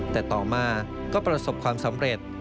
แต่ต่อมาก็ประสบความสำเร็จ